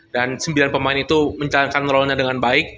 dan sembilan pemain itu menjalankan role nya dengan baik